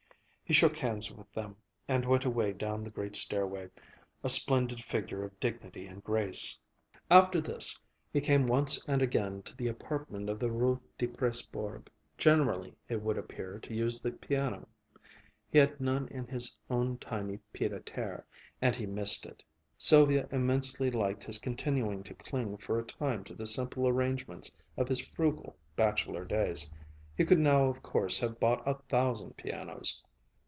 He shook hands with them, and went away down the great stairway, a splendid figure of dignity and grace. After this he came once and again to the apartment of the Rue de Presbourg, generally it would appear to use the piano. He had none in his own tiny pied à terre and he missed it. Sylvia immensely liked his continuing to cling for a time to the simple arrangements of his frugal bachelor days. He could now of course have bought a thousand pianos.